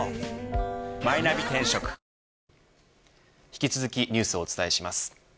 引き続きニュースをお伝えします。